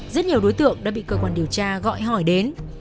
rất nhiều đối tượng đã bị cơ quan điều tra gọi hỏi đến